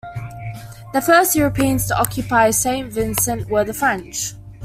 The first Europeans to occupy Saint Vincent were the French.